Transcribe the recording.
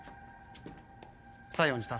西園寺佑。